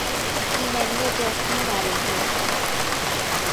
ایمنی جسمی و روحی